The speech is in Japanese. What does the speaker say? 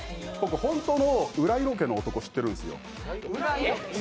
本当の裏色気の男、知ってるんですよ。